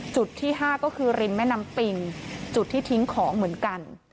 จุดที่๕ก็คือริมแม่น้ำปิงจุดที่ทิ้งของเหมือนกัน